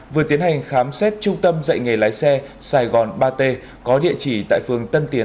vừa tiến hành khám xét trung tâm dạy nghề lái xe sài gòn ba t có địa chỉ tại phường tân tiến